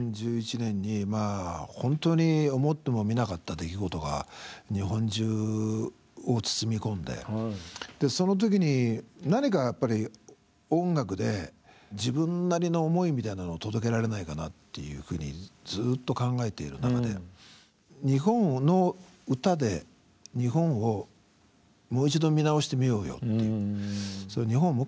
２０１１年に本当に思ってもみなかった出来事が日本中を包み込んでその時に何かやっぱり音楽で自分なりの思いみたいなのを届けられないかなっていうふうにずっと考えている中で日本の歌で日本をもう一度見直してみようよって日本